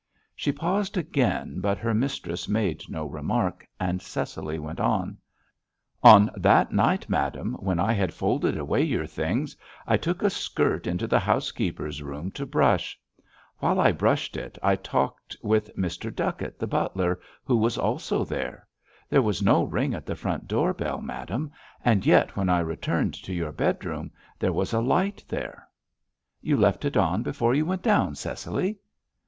She paused again, but her mistress made no remark, and Cecily went on: "On that night, madame, when I had folded away your things, I took a skirt into the housekeeper's room to brush. While I brushed it I talked with Mr. Duckett, the butler, who was also there. There was no ring at the front door bell, madame—and yet when I returned to your bedroom there was a light there." "You left it on before you went down, Cecily!"